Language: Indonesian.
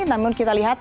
namun kita lihat